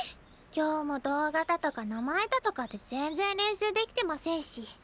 今日も動画だとか名前だとかで全然練習できてませんし。